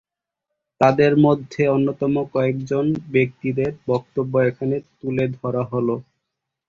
তাদের মধ্যে অন্যতম কয়েকজন ব্যক্তিদের বক্তব্য এখানে তুলে ধরা হলো।